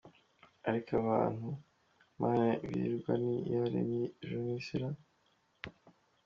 Ariko ababantu Imana birirwa ni iyaremye ijuru nisi ra??.